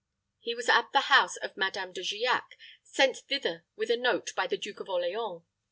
He was at the house of Madame De Giac, sent thither with a note by the Duke of Orleans.